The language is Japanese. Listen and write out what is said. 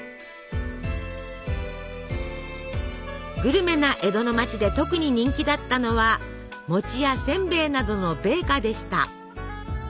グルメな江戸の町で特に人気だったのは餅やせんべいなどの米菓でした。